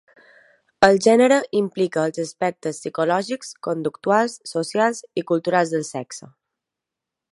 El gènere implica els aspectes psicològics, conductuals, socials i culturals del sexe.